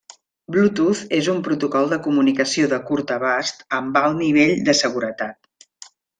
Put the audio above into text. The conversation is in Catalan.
Bluetooth és un protocol de comunicació de curt abast amb alt nivell de seguretat.